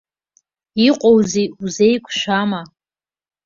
Иҟоузеи, узеиқәшәама?